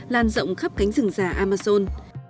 lan rộng khắp cánh rừng già amazon